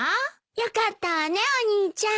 よかったわねお兄ちゃん。